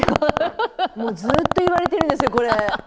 もうずっと言われてるんですよこれ。